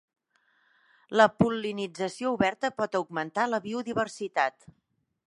La pol·linització oberta pot augmentar la biodiversitat.